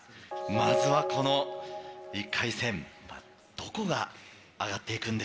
まずはこの１回戦どこが上がっていくんでしょうか。